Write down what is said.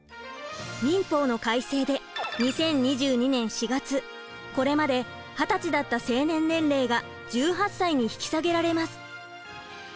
民法の改正で２０２２年４月これまで二十歳だった成年年齢が１８歳に引き下げられます。